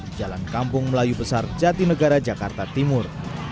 di jalan kampung melayu besar jatinegara jakarta timur